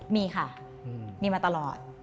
มีค่ะมีมาตลอด